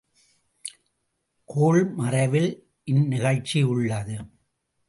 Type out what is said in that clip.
கோள்மறைவில் இந்நிகழ்ச்சி உள்ளது.